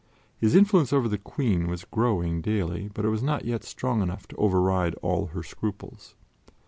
His influence over the Queen was growing daily, but it was not yet strong enough to override all her scruples.